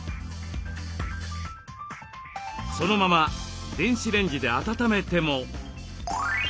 そのまま電子レンジで温めても。